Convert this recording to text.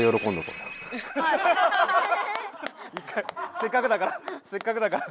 せっかくだからせっかくだから。